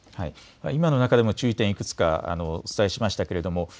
今の中では注意点、いくつかお伝えしました。